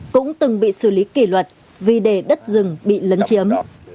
cũng từng bị xử lý kỷ luật vì để đất rừng bị lấn chiếm